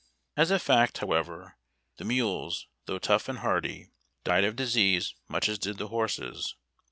As a fact, however, the mules, though tough and hardy, died of disease much as did the horses.